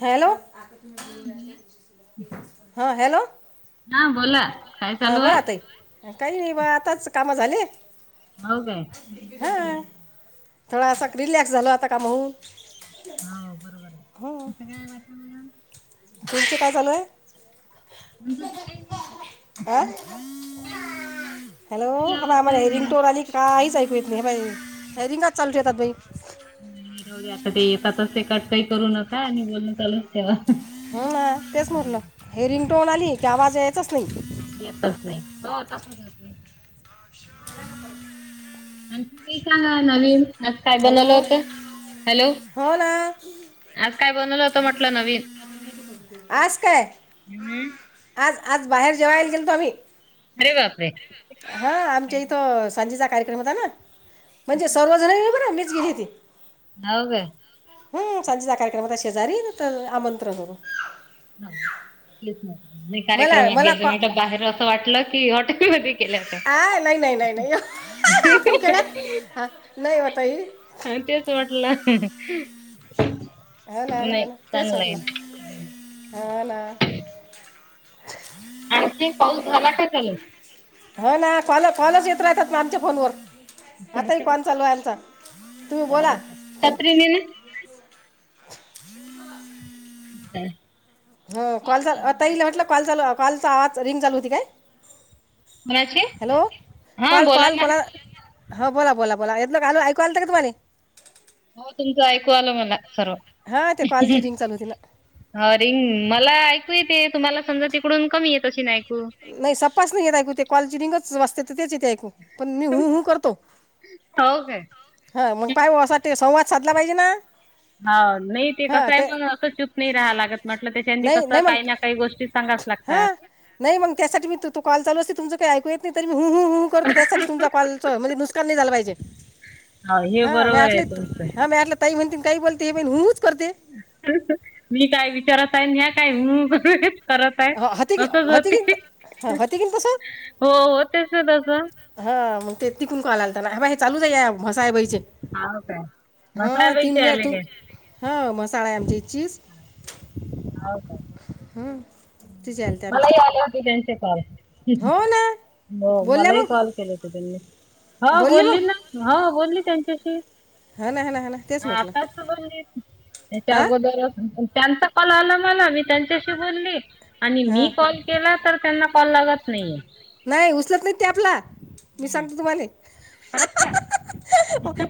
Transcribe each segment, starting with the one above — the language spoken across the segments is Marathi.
हॅलो हा हॅलो हा बोला काय हां चालू बोला हाय ताई काही नाही बा आताच काम झाले हो काय हा थोडासा रिलॅक्स झालो आता कामाहून हो बरोबर आहे तं काय वाठा म तुमचे काय चालू आहे म्ह काही हां नाही काही [inaudible] हॅलो हा बाळा म्हला हि रिंगटोर आली काहीच ऐकू ये नाही बाई हे रिंगाात चालत येतात बाई नाही हिरवले आता ते येतातच ते कट काही करू नका आणि बोलून चालून ठेव्हा ह ना तेच म्हरलं हे रिंगटोन आली की आवाज यायचाच नाही येतच नाही हो तसच होत नाही आणि तुम्ही काय नव्हिन आज काय हॅलो बनवलं होत हॅलो हो ना आज काय बनवल होत म्हटलं नवीन आज काय हम्म आज आज बाहेर जेवाय गेल तो आम्ही अरे बापरे हा आमच्या इथं संज कार्यक्रम होता ना म्हणजे सर्वजण गेली बर मीच गेली हाव काय हम् सांजेचा कार्यक्रम होता शेजारी तर आमंत्रण होत च मला कार्यक्रमात मला कॉ गे बाहेर असं वाटलं कि वाट आ नाही नाही नाही नाही आपण खेळत हा नाही ओ ताई हा तेच वाटलं हाे ना ना नाही ना तेच चांगलं चागलं आहे हा ना आणखी पाऊस झाला का त्या हो ना कॉल कॉलच येत राहतात ना आमच्या फोनवर आताही काॅल चालू आहे आमचा तुम्ही हा बोला का छत्री नेणार ते हो कॉल आताहि हिला वाटलं कॉल लू कॉलचा आवाज रिंग चालू होती काय कोणाची हॅलो हा कॉल बोला कॉल ना हो कोणाला हो बोला बोला बोला ह्यातल आलू ऐकू आलत का तुम्हा हो तुमचं ऐकू आल मला सर्व हां ते कॉलची रिंग चालू होती ना ह रिंग मला ऐकू येते तुम्हाला समजा तिकडून कमी येत असेन ऐ नाय सपास नाय येत ऐकु ते कॉल ची रिंगच वाजतेत. तेच येते ऐकू पण मी हू हू करतो. हो काय हा मग पाय बुआ असा ते संवाद साधला पाहिजे ना. हा नाई ते कसं आहे मग असं चूप नाई राहाला लागत म्हटलं त्याच्यानी नाही नाही कसं मग काय ना काई गोष्टी सागावंच हां लागतात. नाही मंग त्यासाठी मी तो रतो कॉल चालू असते तुमच काय ऐकू येत नाय तरी मी हू हू हू करत होते त्यासाठी तुमचा कॉल चं म्हणजे नुकसान नाय झालं पाहिजे. हो हे हा मी बरोबर आहे आटलं तू तुमचं हा मी आटलं ताई म्हणतीन काही बोलते हे बाई हूं हूं चं करते. मी काय विचारात आहे आन ह्या काय हूं हा होती की होती की ह होती किन तस हो हो होतेच ना हो तसं हा मग ते तिकून कॉल आलता ना हा बा हे चालूच आ हाय या मसायबाईचे हाव काय मसाय हा तीन पैसे वेळा आले तू काय हं मसाळा हाय आमच्या इ चिस हाव ना हं तिचे आले ते आमचे मलाही आले होते त्यांचे कॉल. [inaudible] हो ना हो बोलल्या मलाही कॉल मग केले होते त्यांनी हो बोलली ना हो बोलली त्यां कशी हा ना हा ना ना तेच हा म्हटलं आताच बोलली त्याच्या हां अगोदरच त्यांचा कॉल आला मला मी त्यांच्याशी बोलली आणि मी हां कॉल केला तर त्यांना कॉल लागत नाहीये. नाय उचलत नाहीत ते आपला मी सांगते तुम्हाले खरच काय?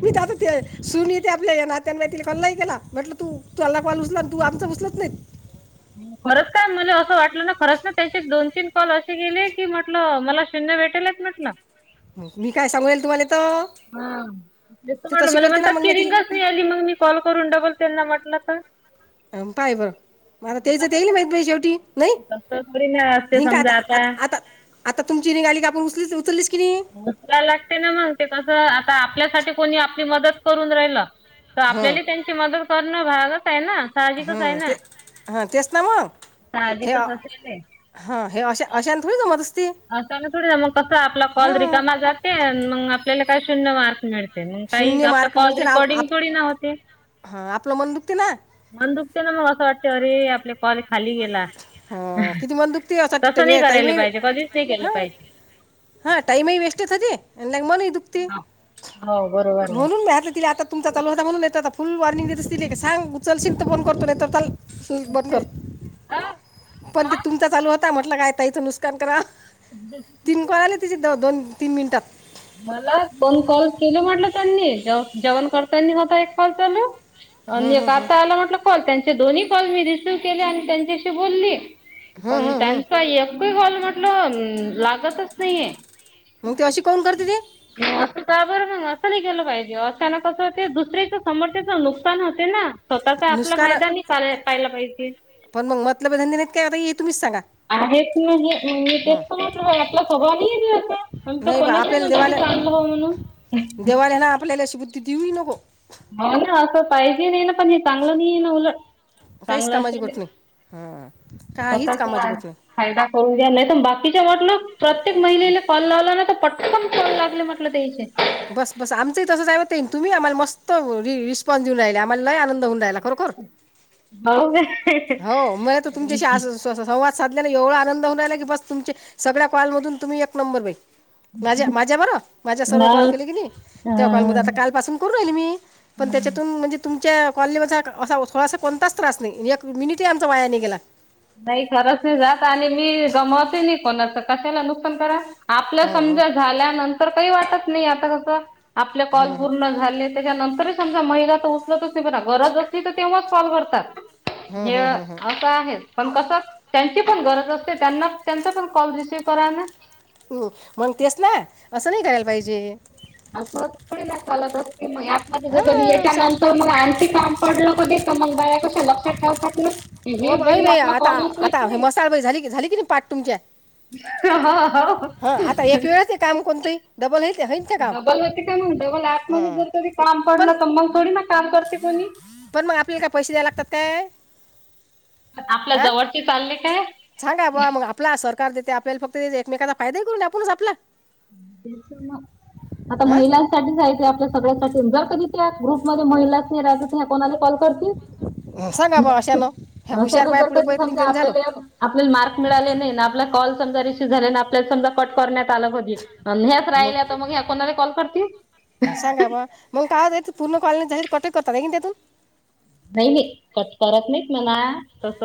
मी त आता ते सुन ये ती आपल्या या नात्या बाय तिला कॉल नाय केला म्हटलं तू तुवाल्ला कॉल उचला आणि तू आमचां उचलत नाहीत. खरंच काय मला असं वाटलं ना खरं ना त्याचे दोन तीन कॉल असे गेले की म्हटलं मला शून्य भेटेलच म्हटलं. मी काय सांगू येल तुम्हाले हा ते त तशी मला करते ना म्हणतात मग मी कि रिंगच तिला नाई आली मग मी कॉल करून डबल त्यांना म्हटलं तर अ पाय बर म आता तेईच तेईल माहित बाई शेवटी नई. तसं थोडी नाही असते हीं का आता समजा आता आता तुमची निघाली का आपण उचलीचउ ला लागते ना मंग ते कसं आता आपल्यासाठी कोणी आपली मदत करून राहिला. त आपल्याली त्यांची मदत करणं भागचं हम्म ते हा तेच ना मंग. हे साहजिकच असलेले हा हे अश अशा थोडी जमत अस अशान थोडी मंग कस आपला कॉल हां रिकामा जाते मंग आपल्याला काय शून्य मार्क मिळ काई शून्य आपला मार्क कॉल मिळते ना आप रेकॉर्डिंग आप- थोडी न होते हां आपलं मन दुखते ना म्हंण मग असं वाटते अरे आपले कॉल खाली गेला हां किती मन तसं नाही करायला पाहिजे कधी हा हा टाइम ही वेस्टचं हे ते मन ही दुखते हो बरोबर आहे म्हणून मी आता तिला तुमचा चालू होता म्हणून नाय त आता फुल वॉर्निंग देत असती लेका सांग उचलशील तर फोन करतो नाही तर चल बंद कर पण ते तुमचा चालू होता म्हटलं काय ताईचं नुकसान करा तीन कॉल आले तिचे द दोन तीन मिनिटात. मला दोन कॉल केल म्हटलं त्यांनी जेव जेवण करत्यांनी होता एक कॉल चालू हं, अणि एक हं, हं. आता आला म्हटलं कॉल त्यांचे दोन्ही कॉल मी रिसीव केले आणि त्यांच्याशी बोलली. हं, पण हं, हं. त्यांचा एक ही कॉल म्हटलं लागतच नाहीये. मंग ती अशी कमून कर [unintelligible] का बरं मंग असं नाय केेलं पाहिजे अचानक कसं ते दुसऱ्याच समोरच्याच नुकसान होते ना. स्वतःचा आपला नुसकान फायदा नई पा पाहिला पाहिजे. पण मग मतलब धंदे नाहीत काय आता हे तुम्हीच सांगा आहेच नाही मी तेच म्ह आपला स्वभा आहेता तो नाही बा कोणा आपल्याला म देवाला चांगलं म्हण तीऊही नव हो ना असं पाहिजे नाही ना पण हे चांगलं नाही आहे ना उलट काहीच चांगलं कामाची असेल गोठणी हा स्वतःचा फायदा करून घ्या नाही तर बाकीच्या वाटला प्रत्येक महिलेला कॉल लावला नाही तर पट म ख लागले म्हटलं तेचे. बस बस आमचंही तसंच आहे ते तुम्ही आम्हाला मस्त रिस्पॉन्स देऊ राहिले आम्हालाय आनंद. होऊन राहिला खरोखर हो का. हो मला त तुमच्याशी संवाद. साधल्याला एवढा आनंद होनला कि बस तुम सगळ्याॉल मध तुम्ही एक नंबर भ- माझ्या माझ्या बरं माझ्या सर्व कॉल हो केले गेली त्या कॉल मध्ये आता हा काल पासून करून राईल मी. हा त्याच्यातून म्हणजे तु. च्या कॉलनी म असा थोडासा कोणताच त्रास नाही एक मिनिट आमचा वायाने गेला.. नाही खरंच नाही जात आणि मी गमवते नाही कोणाचं कशाला नुकसान करा.. आपल्या हं. समजा झाल्यानंतर काही वाटत नाही आता कसं. आपले कॉल पूर्ण झाले त्याच्यानंतरच. समजा महिला तर उचलतच नाही ब गरज असली तर तेव्हाच कॉल करतात. हे असं आहे. पण कसं त्यांची पण गरज असते त्यां त्यांचा पण कॉल रिसिव्ह करा ना. हम् मग तेस ना असं नाही करायला पाहिजे. असं थोडी दला त ग यात म ज कधी हां सा याच्यानंतर मग आणंखि काम पडलं का दे का मग बाया. कस लक्षात ठेवात.. हो अर बाई आता आता हे मसाल झाली झाली की नाही पाठ तुमच्या. ह हा. हा आता एक वेळाच काम कोणत डबल हेच आहे. डबल होते का मग डबल ऍप म जर त काम पण पडलं तर मग थोडी ना काम करते कोणी. पण मग आपल्याला काय पैसे द्या लागतात ते. आपल्या अ जवळची चालले काय सांगा बाबा मग आपला सर्कार. देते आपल्याला फक्त एकमेकाचा फायदा करून आपणच आपला. आता हां महिलांसाठीचयच आपल्या सगळ्यासाठी जर कधी. त्या ग्रुप म महिलाच नाही राजत कोणाला कॉल करतील.. सांगा अशा न. न जर कधी समजा आपल्याला आपल्याला मार्क मिळाले नाही ना आपल्याला कॉल्. रिसीव्ह आपल्याला समजा कट करण्यात आलं म्हणजे. ग करतील सांगा बा मग काय होता पूर्ण कॉलेज. कटक करत नाही क त्यातून. नाही नाही कट करत नाहीत म्हणा. तस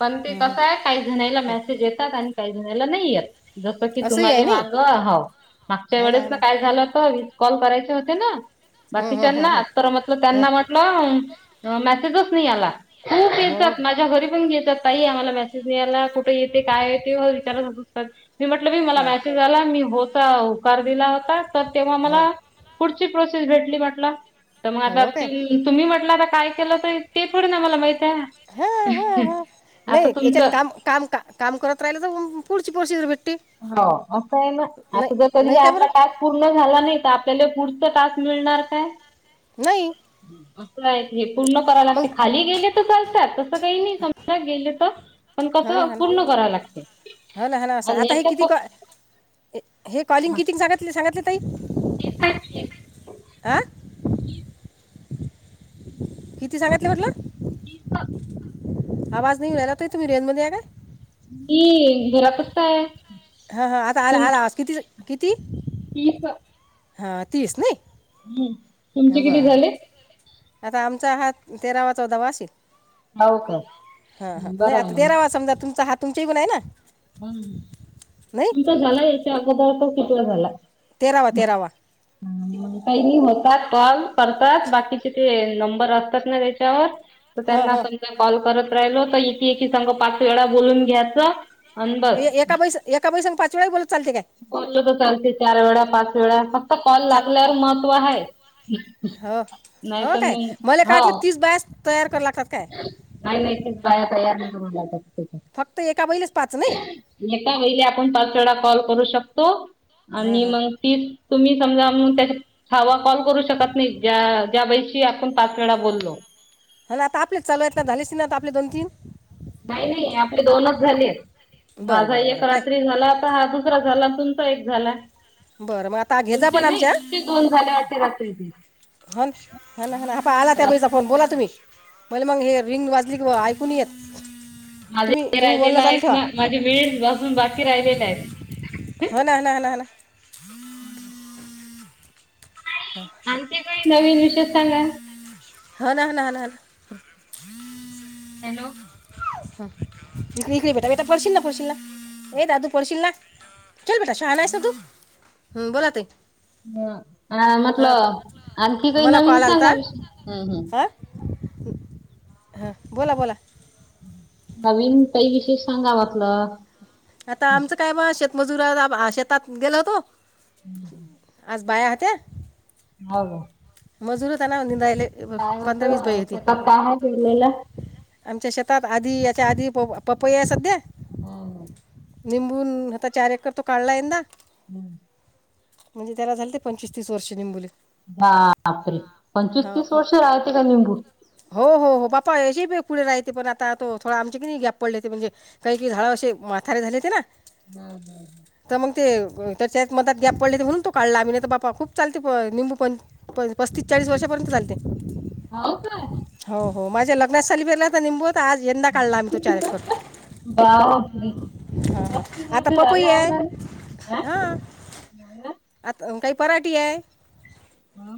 पण ते हं, हं. कस आहे काही जणाला मेसेज येतात आणि काही जणाला नाही येत. जस की असंही आहे तुम्हाला नाही माग ह मागच्या वेळेस ना काय झालं तर. कॉल करायचे होते ना हं, हं, हं, बाकीच्यांना हं, तर म्हटलं त्यांना हं. म्हटलं. मेसेजच नाही आला खूप हो येतात माझ्या घरी पण येतात. आ आम्हाला मेसेज मिळायला कुठे येते काय येत ते विचारत होत. मी म्हटलंी मला काय मेसेज आला मी होता होकार दिला होता तर तेव्हा हां मला पुढची प्रोसेस. भ म्हट आ हो काय तुम्ही म्हटता काय केलं ते मला माहीत. ह आता नाही याच्यात तुमचं काम काम काम करत राहिलं तर पुढची प्रोसिजर भेटते. हो असं आहे ना नाही आता जर कधी नाही का आपला बरं टस्क पूर्ण झाला नाही तर. आपला पुढच तास मिळणार काय. नाही. असं हे पूर्ण करायला लागते मग खाली गेले तर चालतात तसं काही नाही समजा गेले तर. पण कसं पूर्ण कराव लागते.. ह आणि आता हे याच्या किती प कॉलिंग किती सांगितले. सांगितले ताई ते. हा किती सांगितले म्हटलं. तीस आवाज नाही उडाला त इ तूम्ही रेंज मध्ये आहे काय मी घरात फक्त आहे हा हा आता आला तुम आला आवाज किती च किती तीस- हा तीस नही. हम्म तुमचे किती झाले आता आमचा हा तेरावा चौदावा असेल... हो का हा हा बरं नाही आहे आता मग. तेरावा समजा तुमचा हा तुमच्या इगुन हाय ना हम्म नाही इथं झाला याचा अगोदर तो कितवा झाला... तेरावा तेरावा... [inaudible] काही नी म का कॉल करतात बाकीचे ते नंबर असतात ना त्याच्यावर.. तर हां त्यांना हां समजा कॉल करत राहिलो तर एकी एकी संग पाच वेळा बोलून घ्याचं... ए एका बाई संग एका बाई संग पाच वेळाही बोलत चालते काय... बोललं तर चालते चार वेळा पाच वेळा फक्त कॉल लागल्यावर महत्त्व आहे. हं नाही हो तर काय मले मग काय वाटलं हो तीस बायास तयार कर लाग. नाही नाही तीस बाया तयार नाही करुन लागत. त्याच्या फक्त एका बईलेच. एका बईले आपण पाच वेळा कॉल करू शकतो. हां आणि हां मग ती तुम्ही समजा त्याचा हवा कॉल करू शकत नाही ज्या. त्या बाईशी आपण पाच वेळा बोललो... ह ना आता आपलेच चालू हेत ना झाले असतीन ना आपले दोन तीन... नाही नाही आपले दोनच झालेत बरं माझा बरं बरं एक काय रात्री झाला तर हा दुसरा झाला... तुमचा एक झाला... बरं म आता घेजा तुमचे पण नाही आमच्या.. तुमचे दोन झाले वाटते रात्रीचे हन हना हना हा पा आला त्या रा बाईचा फोन बोला तुम्ही.. मले मंग हे रिंग वाजली की ब ऐकू नहीं येत.. माझे तुम्ही ते तुम्ही राहिलेलं बोलणं चालू आहेत ठेवा ना माझे वीस पासुन बाकी राहिलेले हेत... ह ना ह ना ह ना ह ना.... [inaudible] आणखी काही नवीन विशेष सांगा... होना होना हना हना... हॅलो.... हं इकडी इकडी बेटा बेटा पडशील ना पडशील ना ए दादू पडशील ना... चल बेटा शहाणाहेस ना तु हं बोला ताई... हम अ म्हटलं आणखी काही मला कॉल नवीन आला सांगा विषय हम हम.. हा बोला बोला... नवीन काही विशेष सांगा म्हटलं... आता आमचं काय म शेतमजूर अ ब हा शेतात गेल होतो आज.. बाया हत्या हा गो... मजुर होताना निंदायले. हे बघ पंधरा वीस बाई होतं होती शेतात काय आहे पेरलेलं? आमच्या शेतात आधी... चा आधी प पपई आहे सध्या... हं.. निंबून आता चार एकर तो काढला यंदा... [inaudible] म्हणजे त्याला झालते पंचवीस तीस वर्षे निंबुले.. बापरे! पंचवीस ह तीस वर्ष राहते का निंबू? हो हो हो बापाशी भी.. पुढे राहायते पण आता तो थोडा आमच्या किनी गॅप पडलेते म्हणजे काही की झाड अशे म्हातारे झालेते ना.. हा हा ह.... तर मग ते तर त्यात मदात गॅप पडलेते म्हणून तो काढला आम्ही नाही तर बाप बाप खूप चालते प अ निंबू पण.. पं पस्तीस चाळीस वर्षापर्यंत चालते हो का हो हो माझ्या लग्न सलिबेला तर निंबूत आज यंदा काढला आम्ही तो चार कर बा होत्री हा हा आता पप्पू आहे हा आता काही पराठी आहे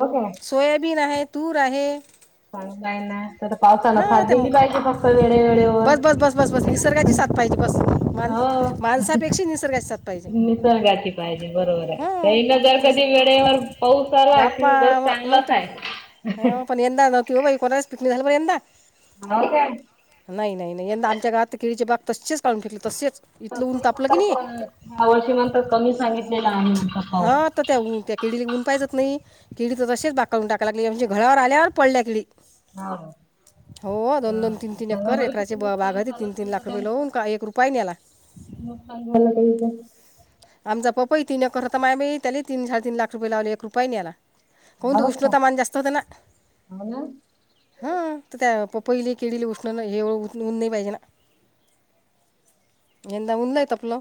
हो काय? सोयाबीन आहे तूर आहे काय ना तर पावसान हा साद ते दिली पाहिजे फक्क वेळे वेळेवर बस बस बस बस बस निसर्गाची साथ पाहिजे बस मान माणसापेक्षा निसर्गाात निसर्गाची पाहिजे बरोबर आहे त्या हां न जर तेच कधी वेळेवर पाऊस आरवा कि जस चांगलाच आहे ह पण यंदा बाई कोणाच पिकनिक झालं ब यंदा हो का... नाही नाही नाही यंदा आमच्या गावात किडीचे बाग तसेच काढून ठेकली तसेच... इथलं ऊन तापलं की नाही द वर्षी नंतर कमी सांगितलेलं आहे ऊ... किडी गुनपायजत नाही किडी तर तसेच बाकाळून टाकाय लागली आमच्या घराळावर आल्यावर पडल्या किडी... हा दोन बाप... तीन तीन एकर त्यांवर एकराचे किती ब- बाग नुकसान होती झालं तीन तीन समजा लाख रुपये त्यांचं लावून का एक रुपया नाही आला नुकसान झालं त्यांच आमचा पप्पई तीन एककररता माम त्या तीन साडे तीन लाख रुपय लावले एक रुपया नाही याला कोणत हाव का? उष्णता मन जास्त होते ना हो ना. ह त्या पहिले केडीले उष्ण हें उ उऊन नाही पाहिजे ना यंदा उलाय त आपलं